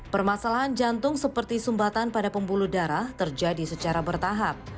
permasalahan jantung seperti sumbatan pada pembuluh darah terjadi secara bertahap